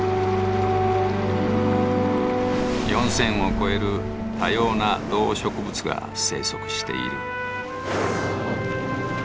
４，０００を超える多様な動植物が生息している。